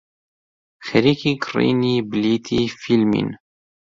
خەریکی کڕینی بلیتی فیلمین.